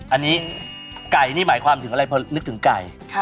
อันนี้ไก่นี่หมายความถึงอะไรพอนึกถึงไก่